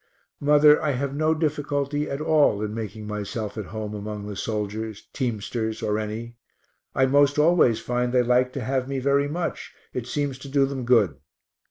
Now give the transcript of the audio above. Mother, I have no difficulty at all in making myself at home among the soldiers, teamsters, or any I most always find they like to have me very much; it seems to do them good.